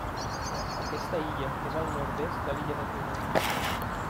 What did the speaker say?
Aquesta illa és al nord-est de l'illa de Timor.